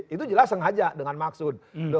itu jelas sengaja dengan maksud